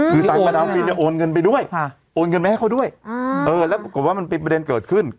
คือไซมดรฟิลล์โอนเงินไปด้วยโอนเงินมาให้เขาด้วยแล้วก็กลัวกว่ามันเป็นประเด็นเกิดขึ้น